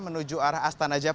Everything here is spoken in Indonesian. menuju arah astagfirullahaladzim